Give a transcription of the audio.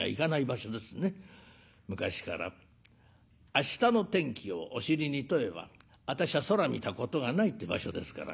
昔から明日の天気をお尻に問えば私は空見たことがないって場所ですから。